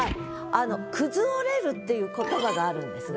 「くずおれる」っていう言葉があるんですが。